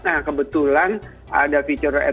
nah akhirnya bisa terjadilah hal seperti ini